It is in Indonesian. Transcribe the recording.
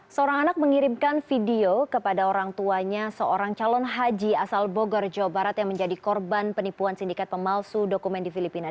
seorang anak mengirimkan video kepada orang tuanya seorang calon haji asal bogor jawa barat yang menjadi korban penipuan sindikat pemalsu dokumen di filipina